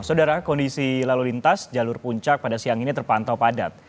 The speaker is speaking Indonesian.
saudara kondisi lalu lintas jalur puncak pada siang ini terpantau padat